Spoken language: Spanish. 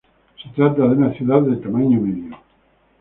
Se trata de una ciudad de tamaño medio.